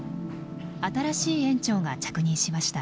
新しい園長が着任しました。